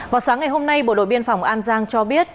vào sáng ngày hôm nay bộ đội biên phòng an giang cho biết